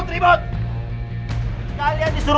teratur yang adri